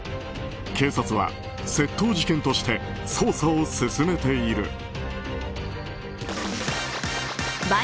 警察は窃盗事件として捜査を進めている。